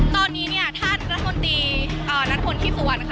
ตอนนี้ท่านนันต์ธนตรีนัชคนที่สุวรรณ